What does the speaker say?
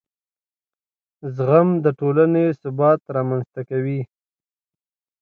زغم د ټولنې ثبات رامنځته کوي.